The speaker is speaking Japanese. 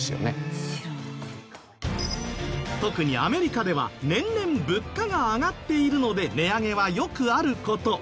特にアメリカでは年々物価が上がっているので値上げはよくある事。